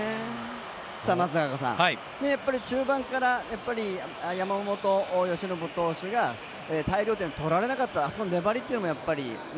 さあ、松坂さん中盤から山本由伸投手が大量点を取られなかったあそこの粘りというのも。